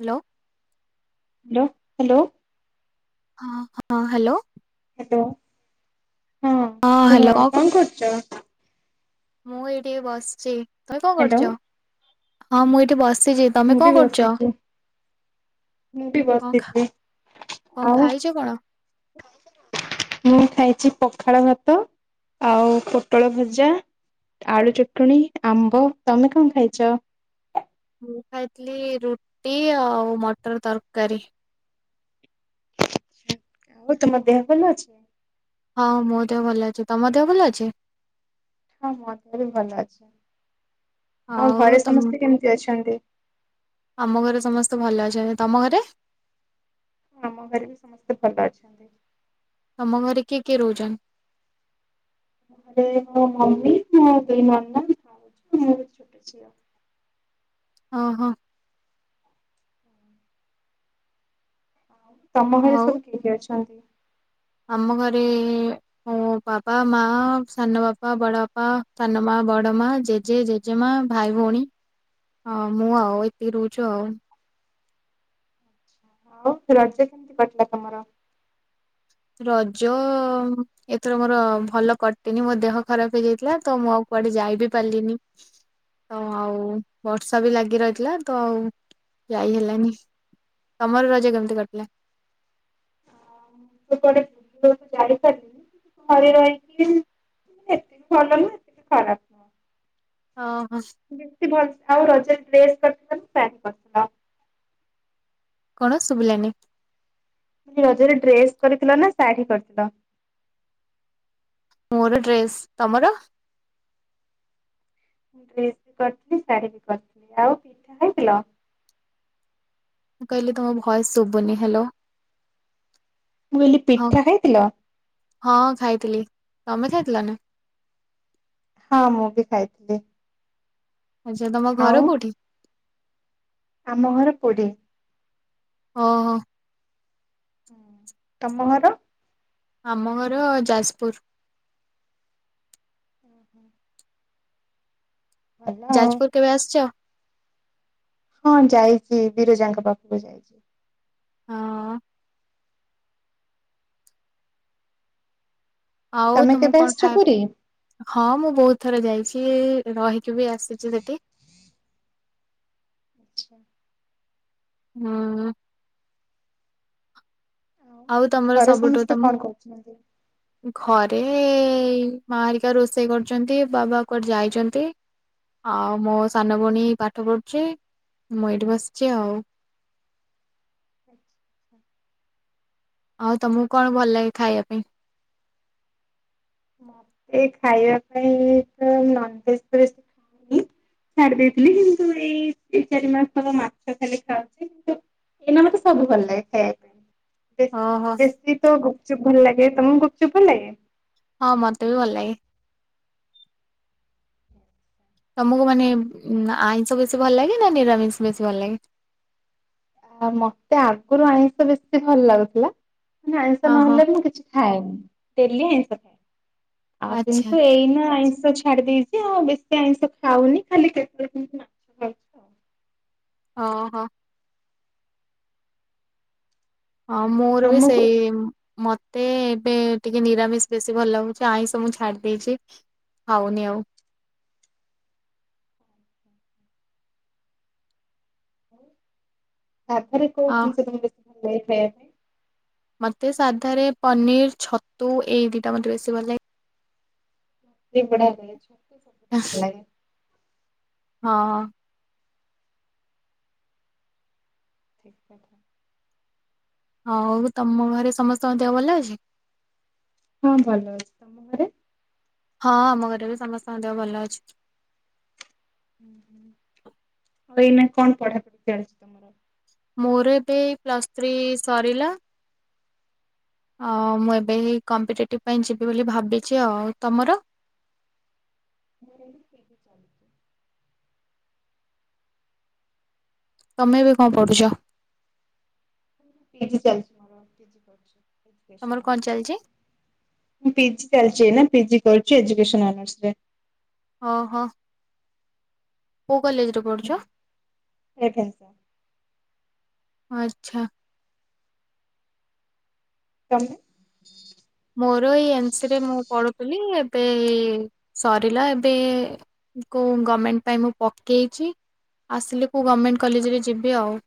Hello. Hello hello. ହ ହଁ hello. Hello ହଁ କୁହ କଣ କରୁଚ? ମୁଁ ଏଇ ଟିକେ ବସିଚି ତମେ କଣ ହ୍ୟାଲୋ କରୁଚ? ହଁ ମୁଁ ଏଇଠି ବସିଚି। ମୁଁ ବି ବସିଚି। କଣ ଖା କଣ ଆଉ ଖାଇଚ କଣ? ମୁଁ ଖାଇଛି ପଖାଳ ଭାତ ଆଉ ପୋଟଳ ଭଜା। ଆଳୁ ଚଟୁଣି ଆମ୍ବ ତମେ କଣ ଖାଇଚ? ମୁଁ ଖାଇଥିଲି ରୁଟି ଆଉ ମଟର ତରକାରୀ। ଆଉ ତୁମ ଦେହ ଭଲ ଅଛି? ହଁ ମୋ ଦେହ ଭଲ ଅଛି ତମ ଦେହ ଭଲ ଅଛି। ହଁ ମୋ ଦେହ ବି ଭଲ ଅଛି ଆଉ ଘରେ ସମସ୍ତେ କେମିତି ଅଛନ୍ତି? ଆମ ଘରେ ସମସ୍ତେ ଭଲ ଅଛନ୍ତି ତମ ଘରେ। ଆମ ଘରେ ବି ସମସ୍ତେ ଭଲ ଅଛନ୍ତି। ତମ ଘରେ କିଏ କିଏ ରହୁଚନ୍ତି? ଏ ମୋ ମମି ମୋ ଦି ନାନା ଭାଉଜ ମୋର୍ ଛୋଟ ଝିଅ। ଅ ହଁ। ତମ ଘରେ ଆଉ ସବୁ କିଏ କିଏ ଅଛନ୍ତି? ଆମ ଘରେ ଏ-ଏ ମୋ ବାବା, ମା, ସାନ ବାପା, ବଡ଼ ବାପା, ସାନ ମା, ବଡ ମା, ଜେଜେ, ଜେ ଜମା ଭାଇ ଭଉଣୀ ହ ମୁଁ ଆଉ ଏତିକି ରହୁଛୁ ଆଉ। ହଉ ରଜା କେମିତି କଟିଲା ତମର। ରଜ। ଏଥର ମୋର ଭଲ କଟନି ମୋ ଦେହ ଖରାପ ହେଇଯାଇଥିଲା ତ ମୁଁ ଆଉ କୁଆଡେ ଯାଇ ବିି ପାରିଲିନି। ତ ଆଉ ବର୍ଷା ବି ଲାଗି ରହିଥିଲା ତ ଆଉ ଯାଇ ହେଲାନି। ତମର ରଜ କେମିତି କଟିଲା। [unintelligible] ଖରାପ। ନୁହଁ ଓହୋ ବେଶୀ ଭଲ। ଆଉ ରଜ ଡ୍ରେସ କରି [unintelligible] କଣ ଶୁଭିଲାନି? ଏ ରଜରେ ଡ୍ରେସ କରିଥିଲ ନା ଶାଢ଼ୀ କରିଥିଲ? ମୋର ଡ୍ରେସ୍। ତମର? ମୁଁ ଡ୍ରେସ ବି କରିଥିଲି, ଶାଢୀ ବି କରିଥିଲି। ଆଉ ପିଠା ଖାଇଥିଲ? ମୁଁ କହିଲି ତୁମ ଭଏସ ଶୁଭୁନି। ହ୍ୟାଲୋ। ମୁଁ କହିଲି, ହଁ ପିଠା ଖାଇଥିଲ? ହଁ ଖାଇଥିଲି। ତମେ ଖାଇଥିଲ ନା? ହଁ, ମୁଁ ବି ଖାଇଥିଲି। ଆଚ୍ଛା। ତମ ଘର ଆଉ କୋଉଠି? ଆମ ଘର ପୁରୀ। ଓହୋ। ତମ ଘର? ଆମ ଘର ଯାଜପୁର। ଓୁ ହୋଁ ହଜ ଯାଜପୁର କେବେ ଆସିଛ? ହଁ ଯାଇଛି, ବିରଜାଙ୍କ ପାଖକୁ ଯାଇଛି। ହଁ। ଆଉ ତମେ ତମକୁ କେବେ କଣ ଆସିଛ ଖାଇବା ପୁରୀ ହଁ ମୁଁ ବହୁତ ଥର ଯାଇଛି, ରହିକି ବି ଆସିଛି ସେଠି। ଆଚଛା ହୁଁ। ଆଉ ତମର ଘରେ ସବୁଠୁ ସମସ୍ତେ କଣ କରୁଛନ୍ତି? ତମୁକୁ ଘରେ ଏ ମାଆ ହେରିକା ରୋଷେଇ କରୁଛନ୍ତି, ବାବା କୁଆଡେ ଯାଇଚନ୍ତି ଆଉ ମୋ ସାନ ଭଉଣୀ ପାଠ ପଢ଼ୁଛି, ମୁଁ ଏଇଠି ବସିଛି ଆଉ। ହ ଆଉ ତମୁକୁ କଣ ଭଲ ଲାଗେ ଖାଇଆ ପାଇଁ? ଏଇ ଖାଇବା ପାଇଁ ଏଇ ତ ନନଭେଜ ତ ବେଶୀ ଖାଉନି ଛାଡି ଦେଇଥିଲି, କିନ୍ତୁ ଏଇ ଦି ଚାରି ମାସ ହବ ମାଛ ଖାଲି ଖାଉଛି କିନ୍ତୁ ଏଇନା ମତେ ସବୁ ଭଲ ଲାଗେ ଖାଇଆକୁ। ବେଶୀ ଓହୋ। ବେଶୀ ତ ଗୁପଚୁପ ଭଲ ଲାଗେ। ତମକୁ ଗୁପଚୁପ୍ ଭଲ ଲାଗେ? ହଁ, ମତେ ବି ଭଲ ଲାଗେ। ତମକୁ ମାନେ ଉମ୍ ଆଇଁଷ ବେଶୀ ଭଲ ଲାଗେ, ନା ନିରାମିଷ ବେଶୀ ଭଲ ଲାଗେ? ଆଉ ମତେ ଆଗୁରୁ ଆଇଁଷ ବେଶୀ ଭଲ ଲାଗୁଥିଲା, ମାନେ ଆଇଁଷ ହଁ ହଁ। ନହେଲେ ମୁଁ କିଛି ଖାଏନି, ଡେଲି ଆଇଁଷ ଖାଏ। ଆଉ ଆଚ୍ଛା। କିନ୍ତୁ ଏଇନା ଆଇଁଷ ଛା ଛାଡି ଦେଇଛି, ଆଉ ବେଶୀ ଆଇଁଷ ଖାଉନି, ଖାଲି କେତେବେଳେ କେମିତି ଖାଉଛି ଆଉ। ହଁ, ହଁ। ହଁ, ମୋର ବି ତମକୁ ସେଇ ମତେ ଏବେ ଟିକେ ନିରାମିଷ ବେଶୀ ଭଲ ଲାଗୁଛି, ଆଇଁଷ ମୁଁ ଛାଡି ଦେଇଛି ଖାଉନି ଆଉ। ସାଧାରେ କୋଉ ହଁ ଜିନିଷ ତମକୁ ବେଶୀ ଭଲ ଲାଗେ ଖାଇଆକୁ? ମତେ ସାଧାରେ ପନିର, ଛତୁ, ଏଇ ଦିଟା ମତେ ବେଶୀ ଭଲ ଲାଗେ। ଏଇଗୁଡ଼ା ଭଲ ଲାଗେ। ହଁ, ହଁ। ଠିକ କଥା। ଆଉ ତମ ଘରେ ସମସ୍ତଙ୍କ ଦେହ ଭଲ ଅଛି? ହଁ ଭଲ ଅଛି ଆରେ ହଁ ଆମ ଘରେ ବି ସମସ୍ତଙ୍କ ଦେହ ଭଲ ଅଛି। ଆଉ ଏଇନା କଣ ପଢାପଢି ଚାଲିଚି ତମର? ମୋର ଏବେ ପ୍ଲସ୍ ଥ୍ରୀ ସରିଲା ଆ ମୁଁ ଏବେ କମ୍ପିଟେଟିଭ ପାଇଁ ଯିବି ବୋଲି ଭାବିଚି ଆଉ, ତମର? ମଁ କେବି ଚାଲୁଚ [inaudible] ତମେ ଏବେ କଣ ପଢୁଚ? ପିଜି ଚାଲିଚି ମୋର ତମର ଏଡୁକେସନ କଣ ଅନରସରେ। ଚାଲିଛି ମୁଁ ପିଜି ଚାଲିଚି ଏନା ପିଜି କରିୁଚି ଏଜୁକସନ ଅନର୍ସ ରେ। ଓ ହୋ। କୋଉ କଲେଜରେ ପଢୁଚ? ରେଭେନ୍ସା। ଆଛା। ତମେ? ମୋର ଏଇ ଏନ ସିରେ ମୁଁ ପଢୁଥିଲି ଏବେ ସରିଲା ଏବେ କଉ ଗଭର୍ଣମେଣ୍ଟ ପାଇଁ ମୁଁ ପକେଇଚି ଆସିଲେ କୋଉ ଗଭର୍ଣ୍ଣମେଣ୍ଟ କଲେଜରେ ଯିବି ଆଉ।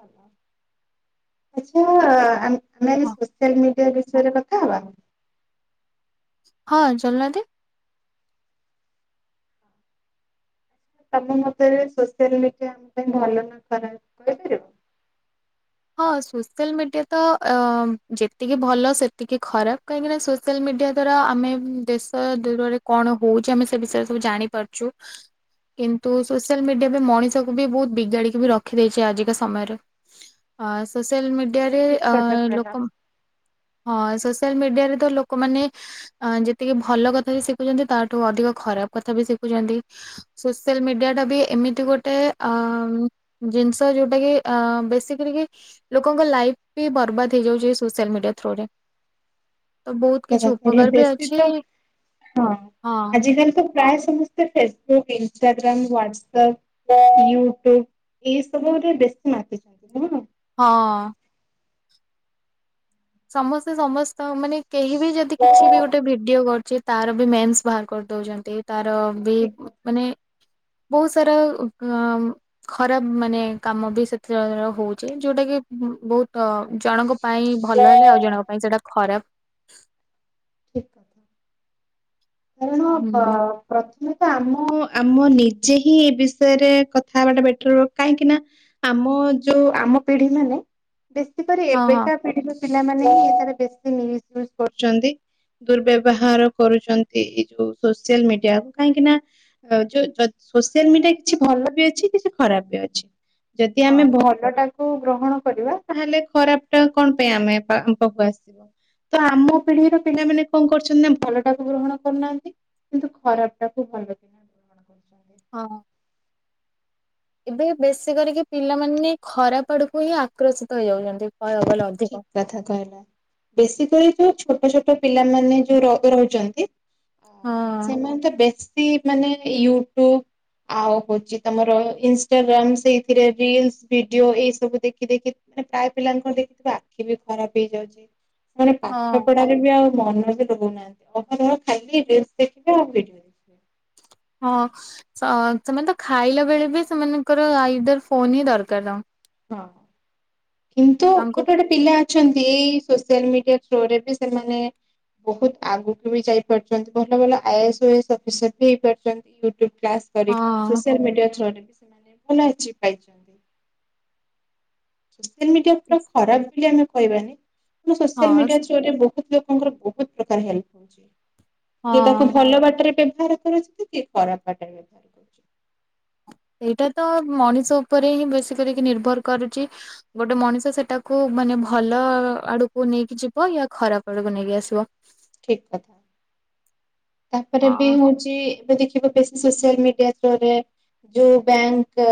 ଆଛା ଆ ଆମେ ଏ ହଁ ସୋସିଆଲ ମିଡିଆ ବିଷୟରେ କଥା ହବା। ହଁ ଚାଲୁନାହାନ୍ତି। ତମ ମତେ ସୋସିଆଲ ମିଡିଆ ଆମ ପାଇଁ ଭଲ ନା ଖରାପ କହିପାରିବ? ହଁ ସୋସିଆଲ ମିଡିଆ ତ ଅ ଯେତିକି ଭଲ ସେତିକି ଖରାପ କାହିଁକି ନା ସୋ ସୋଲ ମିଡିଆ ଦ୍ଵାରା ଆମେ ଦେଶ ଦୂରରେ କଣ ହଉଚି ଆମେ ସେ ବିଷୟରେ ସବୁ ଜାଣି ପାରୁଚୁ। କିନ୍ତୁ ସୋସିଆଲ ମିଡିଆ ବି ମଣିଷ କୁ ବି ବହୁତ ବିଗାଡିକି ବି ରଖିଦେଇଛି ଆଜିକା ସମୟରେ। ଅ ସୋସିଆଲ ମିଡିଆରେ ଠିକ ଆ କଥା କହିଲ ଲୋକ ହଁ ସୋସିଆଲ ମିଡିଆରେ ତ ଲୋକମାନେ ଅ ଯେତିକି ଭଲ କଥା ବି ଶିଖୁଛନ୍ତି ତାଠୁ ଅଧିକ ଖରାପ କଥା ବି ଶିଖୁଛନ୍ତି। ସୋସିଆଲ ମିଡିଆ ଟା ବି ଏମିତି ଗୋଟେ ଆ ଉଁ ଜିନିଷ ଯୋଉଟା କି ଅ ବସି କରିକି ଲୋକଙ୍କ ଲାଇଫ୍ ବି ବର୍ବାଦ ହେଇଯାଉଚି ଏଇ ବିଷୟରେସୋସିଆଲ ମିଡିଆ ଥ୍ରୁରେ। ଠିକ କଥା କହିଲେ ବି ବେଶୀ ଅଛି ତ ହଁ ହଁ ଆଜିକାଲି ତ ପ୍ରାୟ ସମସ୍ତେ ଫେସବୁକ୍ ଇଷ୍ଟାଗ୍ରାମ ହାଟ୍ସପ ୟୁଟ୍ୟୁବ ଏଇସବୁ ରେ ବେଶୀ ମାତିଛନ୍ତି ନୁହଁ। ହଁ। ସମସ୍ତେ ସମସ୍ତ ମାନେ କେହି ବି ଯଦି କିଛି ବି ଗୋଟେ ଭିଡିଓ କରୁଚି ତାର ବି ମେନ୍ସ ବାହାର କରିଦଉଛନ୍ତି ତାର ବି ଠିକ ମାନେ ବହୁତ ସାରା ମାମ ଖରାପ ମାନେ କାମ ବି ସେଥୀରେ ହଉଚି ଯୋଉଟା କି ବହୁତ ଜଣଙ୍କ ପାଇଁ ଭଲ କଥା ହେଲେ ଆଉ ଜଣଙ୍କ ପାଇଁ ସେଇଟା ଖରାପ। ଠ କ ଏଣ ହୁଁ ବା [inaudible] ପ୍ରଥମେତ ଆମ ଆମ ନିଜେ ହିଁ ଏ ବିଷୟରେ କଥା ହବାଟା ବେଟର କାହିଁକି ନା ଆମ ଯୋଉ ଆମ ପିଢି ମାନେ ବେଶୀ କରିରି ହଁ ହଁ ଏବେକା ପିଢି ପିଲାମାନେ ହିଁ ଏଥିରେ ମିସୟୁଜ କରୁଛନ୍ତି। ଦୁର୍ବ୍ୟବହାର କରୁଚନ୍ତି ଏଇ ଯୋଉ ସୋସିଆଲ ମିଡିଆକୁ କାହିଁକି ନା ଆଉ ଯୋଉ ଯ ସୋସିଆଲ୍ ମିଡିଆ କିଛି ଭଲ ବି ଅଛି କିଛି ଖରାପ ବି ଅଛି। ଯଦି ଆମେ ହଁ ଭଲଟା କୁ ଗ୍ରହଣ କରିବା ତାହେଲେ ଖରାପଟା କଣ ପାଇଁ ଆମେ ପା ଆମ ପାଖକୁ ଆସିବ। ତ ଆମ ପିଢିର ପିଲାମାନେ କଁ କରୁଛନ୍ତି ନା ଭଲଟାକୁ ଗ୍ରହଣ କରୁନାହାନ୍ତି କିନ୍ତୁ ଖରାପଟାକୁ [unintelligible] କରୁଛନ୍ତି। ହଁ ହଁ। ଏବେ ବେଶୀ କରିକି ପିଲାମାନେ ଖରାପ ଆଡୁକୁ ହିଁ ଆକ୍ରଷିତ ହେଇଯାଉଛନ୍ତି କହିଆକୁ ଗଲେ ଠିକ ଅଧିକ। କଥା କହିଲେ ବେଶୀ କରିକି ଛୋଟ ଛୋଟ ପିଲାମାନେ ଯୋଉ ର ରହୁଚନ୍ତି ହଁ ହଁ ସେମାନେ ତ ବେଶୀ ମାନେ ୟୁଟୁବ୍ ଆଉ ହଉଚି ତମର ଇନଷ୍ଟାଗ୍ରାମ୍ ସେଇଥିରେ ରିଲ୍ସ ଭିଡିଓ ଏଇ ସବୁ ଦେଖି ଦେଖି ମାନେ ପ୍ରାୟ ପିଲାଙ୍କୁ ଦେଖିଥିବେ ଆଖି ବି ଖରାପ ହେଇଯାଉଚି ସେମାନେ ପାଠ ହଁ ପଢା ରେ ବି ଆଉ ମନ ବି ଦଉନାହାନ୍ତି କଥା କଣ ଖାଲି ରିଲ୍ସ ଦେଖିବେ ଆଉ ଭିଡିଓ। ଦେଖିବେ। ହଁ ସ ସେମାନେ ତ ଖାଇଲା ବେଳେ ବି ସେମାନଙ୍କର ଆଇଦର୍ ଫୋନ ହିଁ ଦରକାର ତାଙ୍କୁ। ହଁ କିନ୍ତୁ ତାଙ୍କୁ ଗୋଟେ ଗୋଟେ ପିଲା ଅଛନ୍ତି ଏଇ ସୋସିଆଲ ମିଡିଆ ଥ୍ରୋ ରେ ବି ସେମାନେ ବୋହୁତ ଆଗୁକୁ ବି ଯାଇପାରୁଛନ୍ତି ଭଲ ଭଲ I A S O A S officer ବି ହେଇପାରୁଛନ୍ତି। ଟୁବ୍ କ୍ଲାସ୍ କରି ହଁ ସୋଆଲମିଡିଆ ଥ୍ରୋରେ ବି ସେମାନେ ଭଲ ଆଚିଭ୍ ପାଇଚ ସୋସିଆଲମିଡିଆ ପୁରା ଖରାପ ବି ଆମେ କହିବା ନି। ମୁଁ ସୋସିଆଲ ହଁ ମିଡିଆରେ ଥ୍ରୋରେ ବୋହୁତ ଲୋକଙ୍କର ବୋହୁତ ପ୍ରକାର ହେଲ୍ପ ହଉଚି। କିଏ ତାକୁ ହଁ ଭଲ ବାଟେରେ ବେବହାର କରୁଛତି କିଏ ଖରାପ ବାଟେରେ ବେବହାର ଏଇଟା ତ ମଣିଷ ଉପେରେ ହିଁ ବେଶୀ କରିକି ନିର୍ଭର କରୁଛି ଗୋଟେ ମଣିଷ ସେଟାକୁ ମାନେ ଭଲ ଆଡୁକୁ ନେଇକି ଯିବ ୟା ଖରାପ ଆଡୁକୁ ନେଇକି ଆସିବ। ଠିକ୍ କଥା ତାପରେ ବି ହଁ ହଉଚି ଚି ଏବେ ଦେଖିବ ବେଶୀ ସୋସିଆଲ ମିଡିଆ ଥ୍ରୋରେ ଯୋଉ ବ୍ୟାଙ୍କ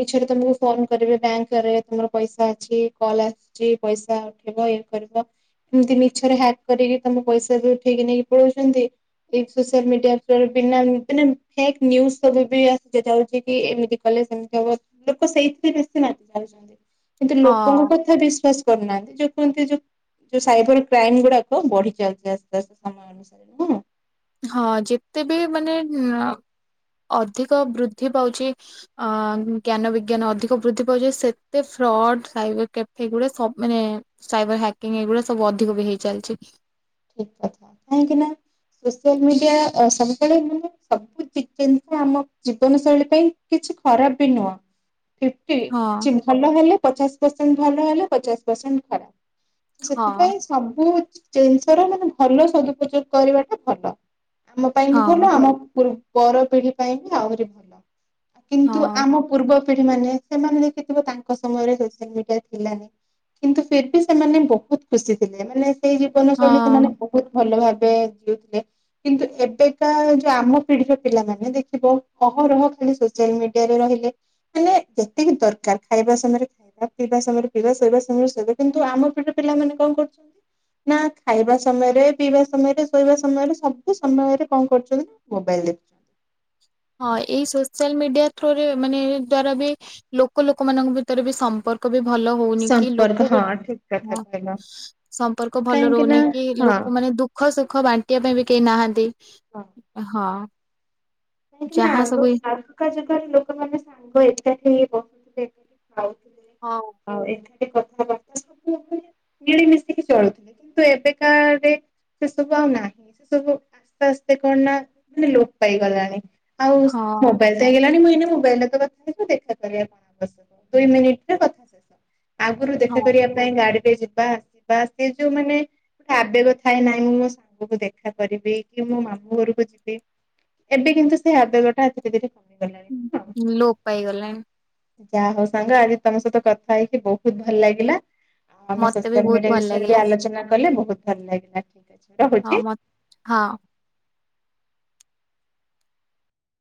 ମିଛରେ ତମୁକୁ ଫୋନ କରିବେ ବ୍ୟାଙ୍କରେ ତୁମର ପଇସା ଅଛି କଲ୍ ଆ ସୁଚି ପଇସା ଉଠେଇବ ଇଏ କରିବ ଏମତି ମିଛରେ ହ୍ୟାକ୍ କରିକି ତମ ପଇସା ବି ଉଠେଇକି ନେଇକି ପଳଉଛନ୍ତି। ଏଇ ସୋସିଆଲ ମିଡିଆ ଥ୍ରୋରେ ବିନା ଉଁ ମାନେ ଫେକ୍ ନ୍ୟୁଜ ସବୁ ବି ଆସି ତ ଯାଉଛି କି ଏମିତି କଲେ ସେମିତି ହବ ଲୋକ ସେଇଥିରେ ବେଶୀ ମାତି ଯାଉଚନ୍ତି। କିନ୍ତୁ ହଁ ଲୋକଙ୍କ କଥା ବିଶ୍ଵାସ କରୁନାହାନ୍ତି ଯୋଉ କୁହନ୍ତି ଯୋଉ ଯୋଉ ସାଇବର କ୍ରାଇମ ଗୁଡାକ ବଢି ଜଲ୍ଦି ଆସୁ ଆସୁ ସମୟ ଅନୁସାରେ ନାଁ। ହଁ ଯେତେ ବି ମାନେ ଉଁ ଅ ଅଧିକ ବୃଦ୍ଧି ପାଉଛି ଅ ଉଁ ଜ୍ଞାନ ବିଜ୍ଞାନ ଅଧିକ ବୃଦ୍ଧି ପାଉଚି ସେତେ ଫ୍ରଡ୍ ସାଇବର୍ କ୍ୟାଫେ ଗୁଡା ସବ୍ ମାନେ ସାଇବର ହ୍ୟାକିଂ ଏଇ ଗୁରା ସବୁ ଅଧିକ ବି ହେଇ ଚାଲିଛି। ଠିକ୍ କଥା କାହିଁକି ନା ସୋସିଆଲ ମିଡିଆ ଅ ସବୁବେଳେ ମାନେ ସବୁ ଟିକେ ନିଖେ ଆମ ଜୀବନଶୈଳୀ ପାଇଁ କିଛି ଖରାପ ବି ନୁହଁ। ଫିଫ୍ଟି ହଁ ଉ କିଛି ଭଲ ହେଲେ ପଚାଶ ପରସେଣ୍ଟ ଭଲ ହେ ପଚାଶ ପରସେଣ୍ଟ ଖରାପ। ହଁ ସେଥିପାଇଁ ସବୁ ଜିନିଷର ମାନେ ଭଲ ସଦୁପଯୋଗ କରିବାଟା ଭଲ। ଆମ ପାଇଁ ହଁ ବି ଭଲ ଆମ ପୂର୍ ପର ପିଢି ପାଇଁ ବି ଆହୁରି ଭଲ। କିନ୍ତୁ ହଁ ଆମ ପୂର୍ବ ପିଢି ମାନେ ସେମାନେ ଦେଖିଥିବେ ତାଙ୍କ ସମୟରେ ସୋସିଆଲ ମିଡିଆ ଥିଲାନି। କିନ୍ତୁ ଫିର୍ ଭି ସେମାନେ ବୋହୁତ ଖୁସି ଥିଲେ ମାନେ ସେଇ ଜୀବନଶୈଳୀ ହଁ ବୋହୁତ ଭଲ ଭାବେ ଜିଉଥିଲେ। କିନ୍ତୁ ଏବେକା ଯୋଉ ଆମ ପିଢିର ପିଲାମାନେ ଦେଖିବ ଅହରହ ଖାଲି ସୋସିଆଲ ମିଡିଆରେ ରହିଲେ। ମାନେ ଯେତିକି ଦରକାର ଖାଇବା ସମୟରେ ଆ ପିଇବା ସମୟରେ ପିଇବା ଶୋଇବା ସମୟରେ ଶୋଇବା କିନ୍ତୁ ଆମ ପିଢିର ପିଲାମାନେ କଣ କରୁଛନ୍ତି ନା ଖାଇବା ସମୟରେ ପିଇବା ସମୟରେ ଶୋଇବା ସମୟରେ ସବୁ ସମୟରେ କଣ କରୁଛନ୍ତି ମୋବାଇଲ ଦେଖୁ ହଁ ଏଇ ସୋସିଆଲ ମିଡିଆ ଥ୍ରୋରେ ମାନେ ଏହି ଦ୍ଵାରା ବି ଲୋକ ଲୋକମାନଙ୍କ ଭିତରେ ବି ସମ୍ପର୍କ ବି ଭଲ ହଉନି କି ସମ୍ପର୍କ ଲୋକ ହଁ ଗୋଟେ ଠିକ କଥା ହଁ କହିଲ ସମ୍ପର୍କ ଭଲ କାହିଁକି ନା ରହୁନି କି ହଁ ଲୋକ ମାନେ ଦୁଃ ଦୁଃଖ ସୁଖ ବାଣ୍ଟିବା ପାଇଁ ବି କେହି ନାହାନ୍ତି ହଁ ହଁ। [inaudible] ଯାହା ଆଗ ସବୁ ଏ- ଆଗ କା ଯୁଗରେ ଲୋକମାନେ ସାଙ୍ଗ ଏକାଠି ହେଇ ବସୁଥିଲେ ଖାଉ ହଁ। [unintelligible] ମିଳିମିଶିକି ଚଳୁଥିଲେ ତ ଏବେକା ରେ ସେ ସବୁ ଆଉ ନାହିଁ ସେ ସବୁ ଆସ୍ତେ ଆସ୍ତେ କଣ ନା ମାନେ ଲୋପ ପାଇଗଲାଣି। ଆଉ ସ ହଁ ମୋବାଇଲ ଲାଗିଲାଣି ମୁଁ ଏଇନା ମୋବାଇଲଟା [unintelligible] ଦେଖା କରିବା ଦୁଇ ମିନିଟର କଥା ଆଗରୁ ହଁ ଦେଖା କରିବା ପାଇଁ ଗାଡିରେ ଯିବା ଆସିବା ସେ ଯୋଉ ମାନେ ଗୋଟେ ଆବେଗ ଥାଏ ନାଇଁ ମୁଁ ମୋ ସାଙ୍ଗକୁ ଦେଖା କରିବି କି ମୋ ମାମୁଁ ଘରକୁ ଯିବି ଏବେ କିନ୍ତୁ ସେଇ ଆବେଗ ଟା ଧୀରେ ଧୀରେ କମିଗଲାଣି। ହଁ ଲୋପ ପାଇଗଲାଣି। ଯାହା ହଉ ସାଙ୍ଗ ଆଜି ତମ ସହିତ କଥା ହେଇକି ବହୁତ ଭଲ ଲାଗିଲା। ଆଉ ଆମେ ମତେ ବି ସୋସିଆଲ ମିଡିଆ ବହୁତ ଭଲ ବିଷୟରେ ବି ଲାଗିଲା ଆଲୋଚନା କଲେ ବହୁତ ଭଲ ଲାଗିଲା ଠିକ ଅଛି ହଁ ରହୁଛି। ମ ହଁ।